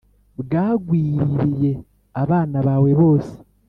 bwagwiririye abana bawe bose